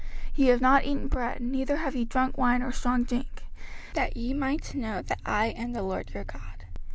05:029:006 Ye have not eaten bread, neither have ye drunk wine or strong drink: that ye might know that I am the LORD your God.